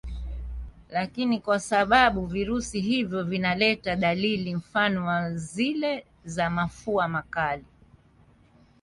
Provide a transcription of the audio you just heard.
Lakini kwa sababu virusi hivyo vinaleta dalili mfano wa zile za mafua makali